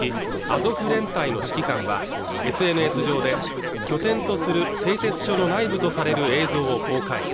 アゾフ連隊の指揮官はＳＮＳ上で拠点とする製鉄所の内部とされる映像を公開